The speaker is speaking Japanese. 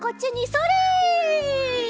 それ！